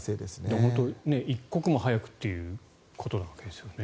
本当に一刻も早くということですよね。